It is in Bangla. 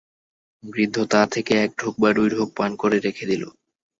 বৃদ্ধ তা থেকে এক ঢোক বা দুই ঢোক পান করে রেখে দিল।